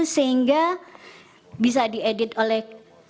sehingga bisa diedit oleh